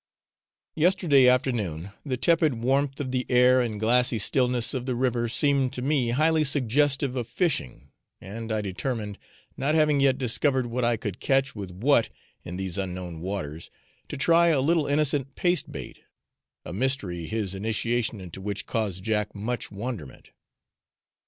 Yesterday afternoon the tepid warmth of the air and glassy stillness of the river seemed to me highly suggestive of fishing, and I determined, not having yet discovered what I could catch with what in these unknown waters, to try a little innocent paste bait a mystery his initiation into which caused Jack much wonderment.